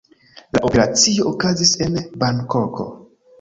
La operacio okazis en Bankoko.